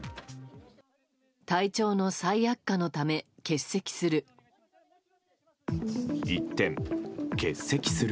体調の再悪化のため欠席する。